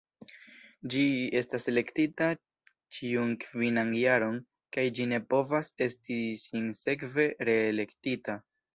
Ĝi estas elektita ĉiun kvinan jaron kaj ĝi ne povas esti sinsekve reelektita.